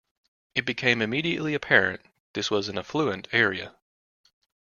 It became immediately apparent this was an affluent area.